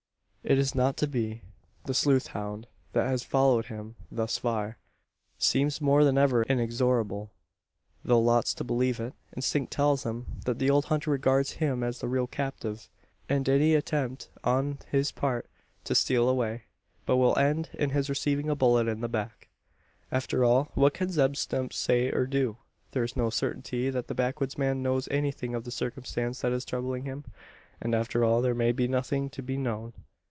It is not to be. The sleuth hound, that has followed him thus far, seems more than ever inexorable. Though loth to believe it, instinct tells him: that the old hunter regards him as the real captive, and any attempt on his part to steal away, will but end in his receiving a bullet in the back! After all, what can Zeb Stump say, or do? There is no certainty that the backwoodsman knows anything of the circumstance that is troubling him? And after all, there may be nothing to be known?